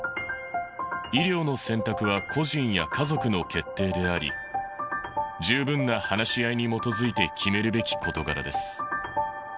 医療の選択は個人や家族の決定であり、十分な話し合いに基づいて決めるべき事柄です。